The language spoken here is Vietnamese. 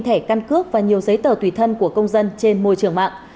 thẻ căn cước và nhiều giấy tờ tùy thân của công dân trên môi trường mạng